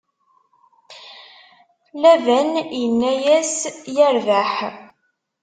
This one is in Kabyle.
Laban inna-yas: Yerbeḥ!